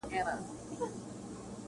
غاښ چي رنځور سي، نو د انبور سي -